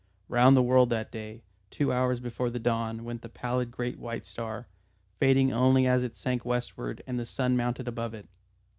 Round the world that day, two hours before the dawn, went the pallid great white star, fading only as it sank westward and the sun mounted above it.